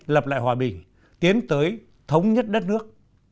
lập lại hòa bình tiến tới thống nhất đất nước